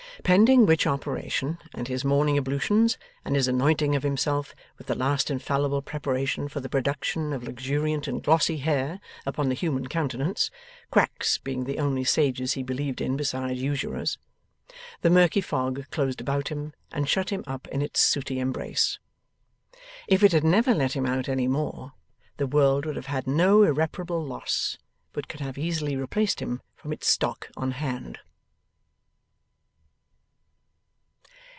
Pending which operation, and his morning ablutions, and his anointing of himself with the last infallible preparation for the production of luxuriant and glossy hair upon the human countenance (quacks being the only sages he believed in besides usurers), the murky fog closed about him and shut him up in its sooty embrace. If it had never let him out any more, the world would have had no irreparable loss, but could have easily replaced him from its stock on hand.